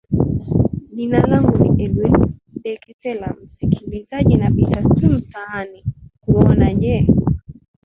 jina langu ni edwin deketela msikilizaji napita tu mtaani kuona je